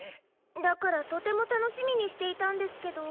だからとてもたのしみにしていたんですけど。